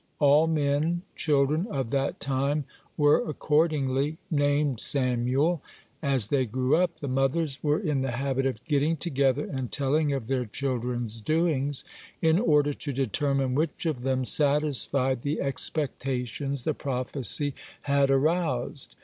All men children of that time were accordingly named Samuel. As they grew up, the mothers were in the habit of getting together and telling of their children's doings, in order to determine which of them satisfied the expectations the prophecy had aroused.